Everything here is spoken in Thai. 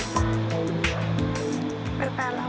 ชื่อฟอยแต่ไม่ใช่แฟง